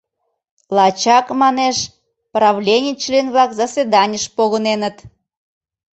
Лачак, манеш, правлений член-влак заседаньыш погыненыт.